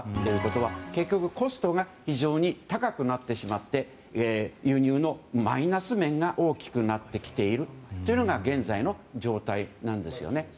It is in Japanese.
結局、コストが非常に高くなってしまって輸入のマイナス面が大きくなってきているというのが現在の状態なんですよね。